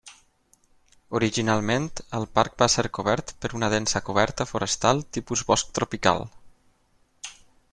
Originalment, el parc va ser cobert per una densa coberta forestal de tipus Bosc tropical.